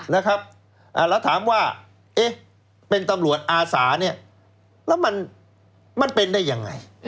แล้วถามว่าเป็นตำรวจอาศาแล้วมันเป็นได้อย่างไร